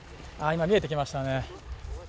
今、見えてきましたね。